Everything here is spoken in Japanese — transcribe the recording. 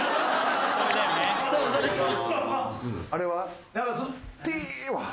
あれは？